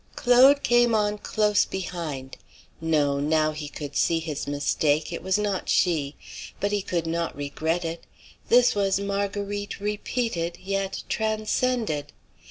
Claude came on close behind. No; now he could see his mistake, it was not she. But he could not regret it. This was Marguerite repeated, yet transcended.